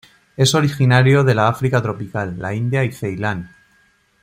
Es originario de la África tropical, la India y Ceilán.